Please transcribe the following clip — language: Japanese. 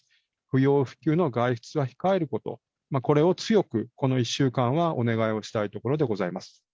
不要不急の外出は控えること、これを強く、この１週間はお願いをしたいところでございます。